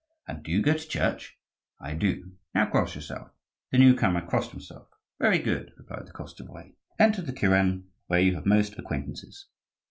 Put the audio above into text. "And do you go to church?" "I do." "Now cross yourself." The new comer crossed himself. "Very good," replied the Koschevoi; "enter the kuren where you have most acquaintances."